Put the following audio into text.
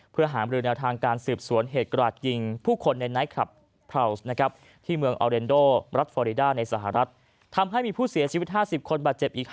เพื่อหาคำความเยอะถึงทางการสืบสวนเหตุกรรตยิงผู้คนในไนท์คลับพราว์สนะครับ